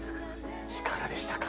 いかがでしたか。